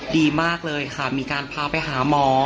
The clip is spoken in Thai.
ดีมากเลยค่ะมีการพาไปหาหมอ